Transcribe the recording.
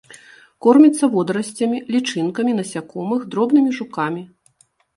Корміцца водарасцямі, лічынкамі насякомых, дробнымі жукамі.